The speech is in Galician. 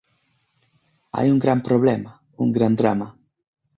Hai un gran problema, un gran drama: